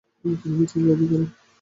তিনি ব্রিটিশদের দাবি করেন।